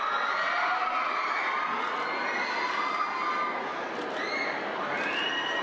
สวัสดีครับ